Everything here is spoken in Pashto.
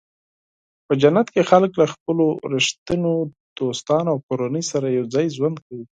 په جنت کې خلک له خپلو رښتینو دوستانو او کورنیو سره یوځای ژوند کوي.